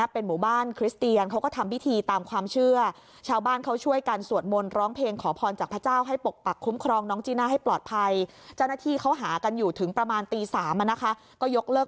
เพลงขอพรจากพระเจ้าให้ปกปักคุ้มครองน้องจีน่าให้ปลอดภัยเจ้าหน้าที่เขาหากันอยู่ถึงประมาณตีสามอ่ะนะคะก็ยกเลิก